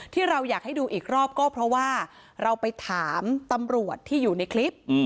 ที่เราอยากให้ดูอีกรอบก็เพราะว่าเราไปถามตำรวจที่อยู่ในคลิป